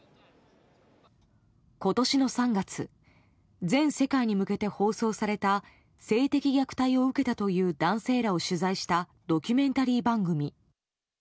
今年の３月全世界に向けて放送された性的虐待を受けたという男性らを取材したドキュメンタリー番組。